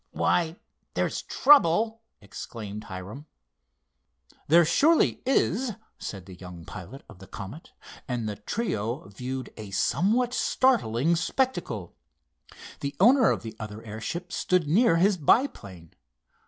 "Why, there's trouble," exclaimed Hiram. "There surely is," said the young pilot of the Comet, and the trio viewed a somewhat startling spectacle. The owner of the other airship stood near his biplane.